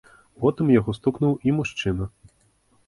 Потым яго стукнуў і мужчына.